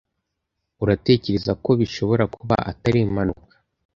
Uratekereza ko bishobora kuba atari impanuka?